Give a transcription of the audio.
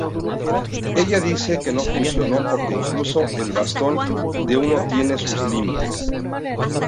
Ella dice que no funcionó porque "incluso el Bastón de Uno tiene sus límites".